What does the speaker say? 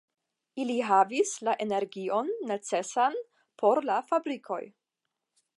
Ili havigis la energion necesan por la fabrikoj.